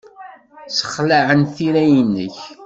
Ssexlaɛent tira-nnek.